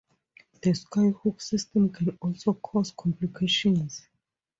The Skyhook system can also cause complications.